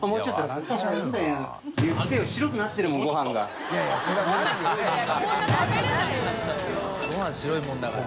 ゴハン白いもんだから。